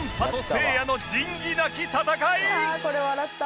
「ああこれ笑った」